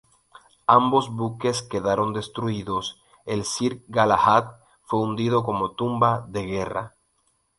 Ambos buques quedaron destruidos, el Sir Galahad fue hundido como tumba de guerra.